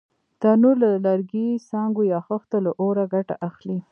تنور د لرګي، څانګو یا خښتو له اوره ګټه اخلي